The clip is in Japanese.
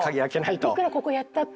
いくらここやったって。